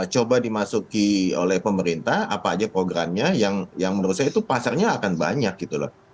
coba dimasuki oleh pemerintah apa aja programnya yang menurut saya itu pasarnya akan banyak gitu loh